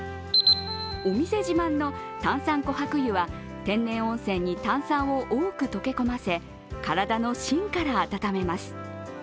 お店自慢の炭酸琥珀湯は天然温泉に炭酸を多く溶け込ませ、体の芯から温めます。